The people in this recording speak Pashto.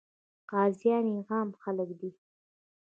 قاضیان یې عام خلک دي.